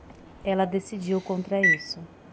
ela decidiu contra isso.